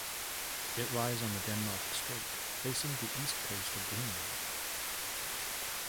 It lies on the Denmark Strait, facing the east coast of Greenland.